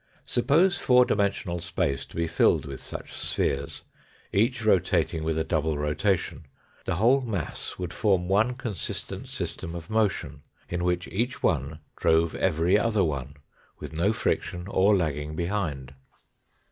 Suppose four dimensional space to be filled with such spheres, each rotating with a double rotation, the whole mass would form one consistent system of motion, in which each one drove every other one, with no friction or lagging behind.